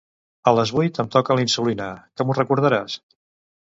A les vuit em toca la insulina, que m'ho recordaràs?